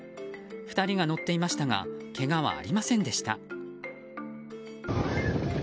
２人が乗っていましたがけがはありませんでした。